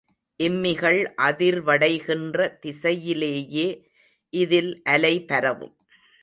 இம்மிகள் அதிர்வடைகின்ற திசையிலேயே இதில் அலை பரவும்.